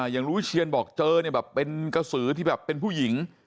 อย่างลุงวิเชียนบอกเจอเนี่ยแบบเป็นกระสือที่แบบเป็นผู้หญิง